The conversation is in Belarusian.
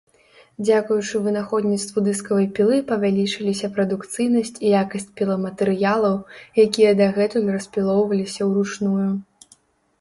Дзякуючы вынаходніцтву дыскавай пілы павялічыліся прадукцыйнасць і якасць піламатэрыялаў, якія дагэтуль распілоўваліся ўручную.